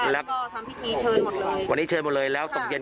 และวันนี้ที่เจอแม่ของน้องก็วันพระอีก